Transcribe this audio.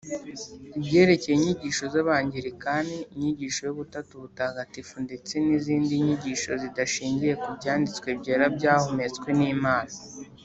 ibyerekeye inyigisho z Abangilikani inyigisho y Ubutatu butagatifu ndetse n’izindi nyigisho zidashingiye ku Byanditswe byera byahumtswe n’Imana.